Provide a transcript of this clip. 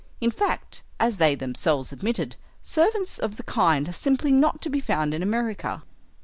In fact, as they themselves admitted, servants of the kind are simply not to be found in America.